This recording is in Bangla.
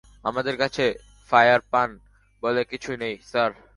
আমাদের কাছে ফায়ার পান বলে কিছু নেই, স্যার।